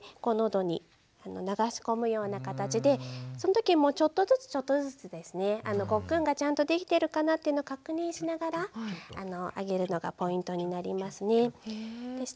その時もちょっとずつちょっとずつですねごっくんがちゃんとできてるかなというのを確認しながらあげるのがポイントになりますね。